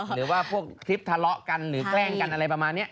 หรือว่าพวกคลิปทะเลาะกันหรือแกล้งกันอะไรประมาณนี้